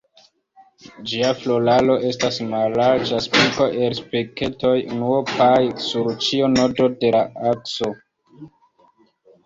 Gia floraro estas mallarĝa spiko el spiketoj unuopaj sur ĉiu nodo de la akso.